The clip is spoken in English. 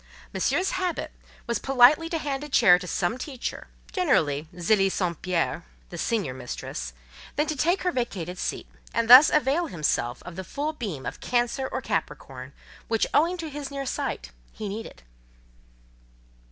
Monsieur's habit was politely to hand a chair to some teacher, generally Zélie St. Pierre, the senior mistress; then to take her vacated seat; and thus avail himself of the full beam of Cancer or Capricorn, which, owing to his near sight, he needed.